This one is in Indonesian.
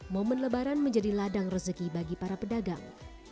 momen lebaran menjadi ladang rezeki bagi para pedagang